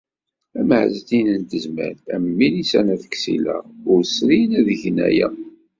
Am Ɛezdin n Tezmalt, am Milisa n At Ksila, ur srin ad gen aya.